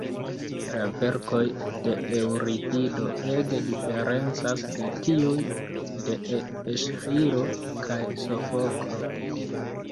La verkoj de Eŭripido ege diferencas de tiuj de Esĥilo kaj Sofoklo.